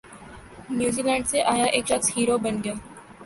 New Zealand سے آیا ایک شخص ہیرو بن گیا